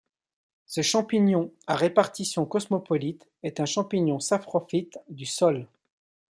Ce champignon, à répartition cosmopolite, est un champignon saprophyte du sol.